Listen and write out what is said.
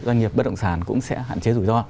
doanh nghiệp bất động sản cũng sẽ hạn chế rủi ro